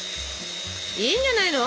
いいんじゃないの？